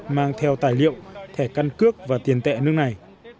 mang theo tài liệu thẻ căn cước và tiền tệ nước này